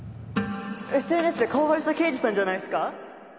ＳＮＳ で顔バレした刑事さんじゃないっすか？